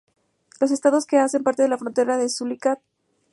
Los estados que hacen parte de la frontera son Zulia, Táchira, Apure y Amazonas.